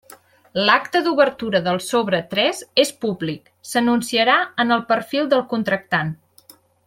L'acte d'obertura del sobre tres és públic, s'anunciarà en el perfil del contractant.